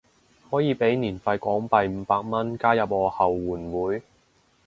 可以俾年費港幣五百蚊加入我後援會